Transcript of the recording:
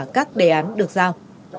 các đề án được giao